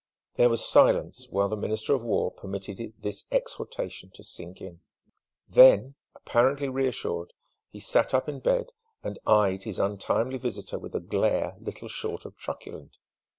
There was silence while the Minister of War permitted this exhortation to sink in. Then, apparently reassured, he sat up in bed and eyed his untimely visitor with a glare little short of truculent.